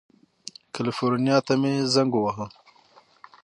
کلیفورنیا ته مې زنګ ووهه.